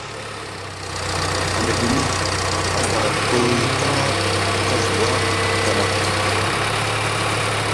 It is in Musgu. A miɗini aga ku yikaŋa kaswata ɗa.